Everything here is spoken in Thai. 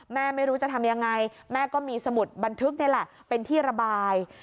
ไม่รู้จะทำยังไงแม่ก็มีสมุดบันทึกนี่แหละเป็นที่ระบาย